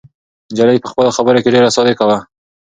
نجلۍ په خپلو خبرو کې ډېره صادقه وه.